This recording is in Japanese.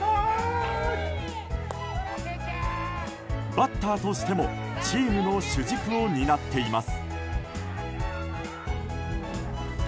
バッターとしてもチームの主軸を担っています。